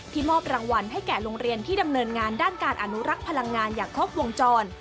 มอบรางวัลให้แก่โรงเรียนที่ดำเนินงานด้านการอนุรักษ์พลังงานอย่างครบวงจร